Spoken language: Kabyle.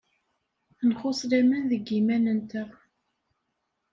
Nxuṣṣ laman deg yiman-nteɣ.